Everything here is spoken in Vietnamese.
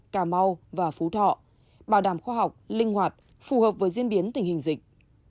cà mau và phú thọ bảo đảm khoa học linh hoạt phù hợp với diễn biến tình hình dịch